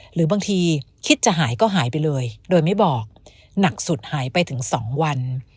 หรือบางทีคิดจะหายก็หายไปเลยโดยไม่บอกหนักสุดหายไปถึง๒วัน